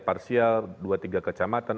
parsial dua tiga kecamatan